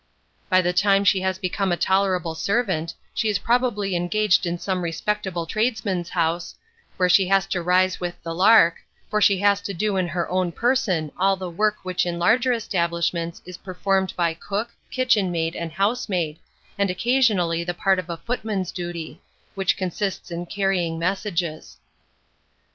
By the time she has become a tolerable servant, she is probably engaged in some respectable tradesman's house, where she has to rise with the lark, for she has to do in her own person all the work which in larger establishments is performed by cook, kitchen maid, and housemaid, and occasionally the part of a footman's duty, which consists in carrying messages.